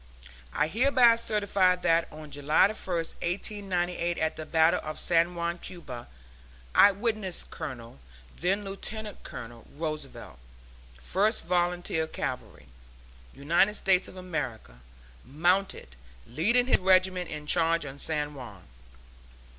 I hereby certify that on July 1, 1898, at the battle of San Juan, Cuba, I witnessed Colonel (then Lieutenant Colonel) Roosevelt, First Volunteer Cavalry, United States of America, mounted, leading his regiment in the charge on San Juan.